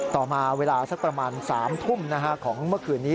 ต่อมาเวลาสักประมาณ๓ทุ่มของเมื่อคืนนี้